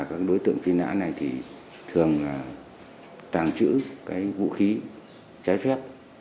các đối tượng phi nã này thường là tàng trữ vũ khí trái phép